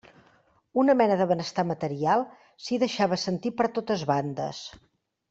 Una mena de benestar material s'hi deixava sentir per totes bandes.